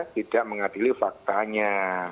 tidak mengadili faktanya